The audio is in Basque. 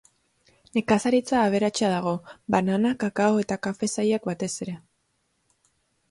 Nekazaritza aberatsa dago, banana, kakao eta kafe sailak batez ere.